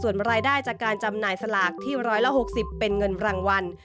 ส่วนรายได้จากการจำหน่ายสลากที่๑๖๐เป็นเงินรางวัล